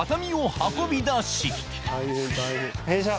よいしょ。